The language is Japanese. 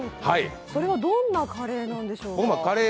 それはどんなカレーなんでしょうか？